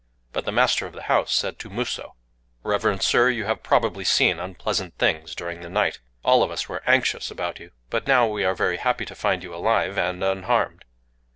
But the master of the house said to Musō:— "Reverent Sir, you have probably seen unpleasant things during the night: all of us were anxious about you. But now we are very happy to find you alive and unharmed.